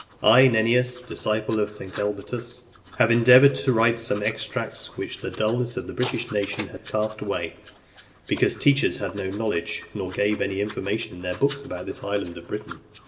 3. I, Nennius, disciple of St. Elbotus, have endeavoured to write some extracts which the dulness of the British nation had cast away, because teachers had no knowledge, nor gave any information in their books about this island of Britain.